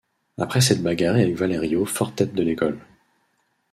Après s’être bagarré avec Valerio, forte tête de l’école.